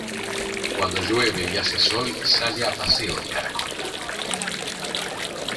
Cuando llueve y hace sol sale a paseo el caracol.